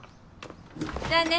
じゃあね。